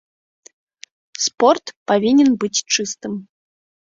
Спорт павінен быць чыстым.